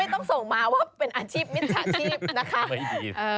ไม่ต้องส่งมาว่าเป็นอาชีพแม่ดินะครับ